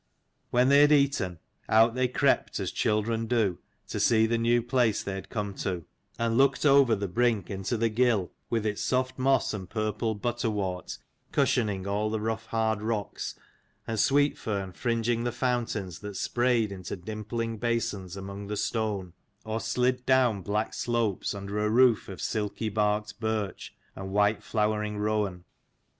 When they had eaten, out they crept as children do, to see the new place they had come to : and looked over the brink into the gill with its soft moss and purple butterwort cushioning all the rough hard rocks, and sweet fern fringing the fountains that sprayed into dimpling basins among the stone, or slid down black slopes under a roof of silky barked birch Q 121 and white flowering rowan.